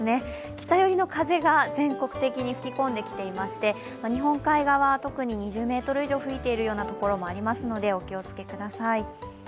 北寄りの風が全国的に吹き込んできて日本海側特に２０メートル以上吹いているようなところもありますのでお気をつけください。